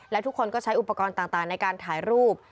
และทุกคนก็ใช้อุปกรณ์ต่างในการถ่ายรูป